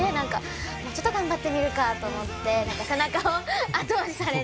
もうちょっと頑張ってみるかと思って背中を後押しされる。